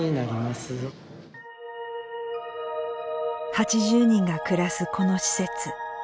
８０人が暮らすこの施設。